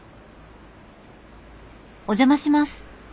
お邪魔します。